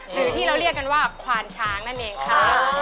หรือที่เราเรียกกันว่าควานช้างนั่นเองค่ะ